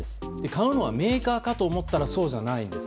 買うのはメーカーかと思ったらそうではないんです。